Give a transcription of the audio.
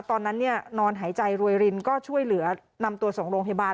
ตอนนั้นนอนหายใจรวยรินก็ช่วยเหลือนำตัวส่งโรงพยาบาล